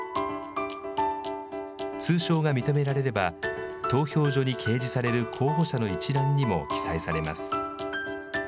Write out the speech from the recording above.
通称が認められれば、投票所に掲示される候補者の一覧にも記載されます。